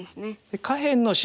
下辺の白